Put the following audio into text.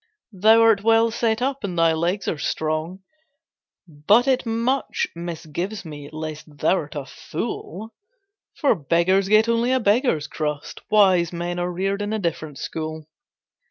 "Thou art well set up, and thy legs are strong, But it much misgives me lest thou'rt a fool; For beggars get only a beggar's crust, Wise men are reared in a different school."